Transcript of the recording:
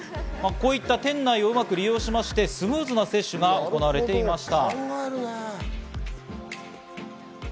店内をうまく利用しましてスムーズな接種が行われていました。